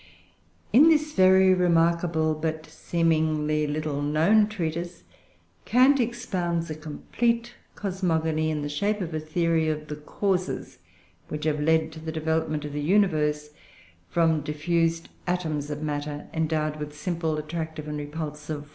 ] In this very remarkable but seemingly little known treatise, Kant expounds a complete cosmogony, in the shape of a theory of the causes which have led to the development of the universe from diffused atoms of matter endowed with simple attractive and repulsive forces.